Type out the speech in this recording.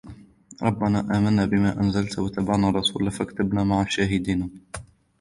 رَبَّنَا آمَنَّا بِمَا أَنْزَلْتَ وَاتَّبَعْنَا الرَّسُولَ فَاكْتُبْنَا مَعَ الشَّاهِدِينَ